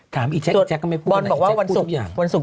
ถามอีเช็กแจ็กกันไม่พูดอะไรแจ็กพูดอย่างบอลบอกว่าวันสุข